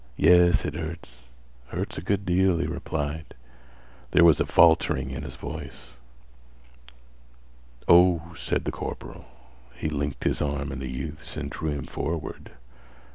"Yes, it hurts—hurts a good deal," he replied. There was a faltering in his voice. "Oh," said the corporal. He linked his arm in the youth's and drew him forward.